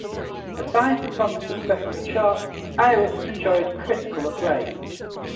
Besides the song's success on the charts, "Iris" enjoyed critical acclaim.